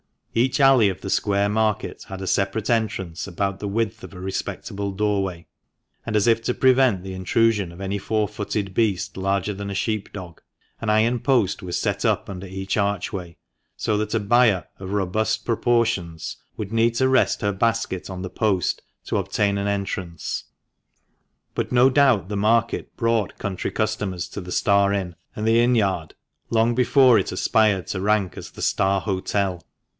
Each alley of the square market had a separate entrance about the width of a respectable doorway, and as if to prevent the intrusion of any four footed beast larger than a sheep dog, an iron post was set up under each archway, so that a buyer of robust proportions would need to rest her basket on the post to obtain an entrance. But no doubt the market brought country customers to the " Star Inn " and the inn yard, long before it aspired to rank as the " Star Hotel."